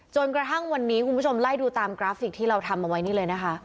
จนกระทั่งวันนี้คุณผู้ชมไล่ดูตามกราฟิกที่เราทำเอาไว้นี่เลยนะคะ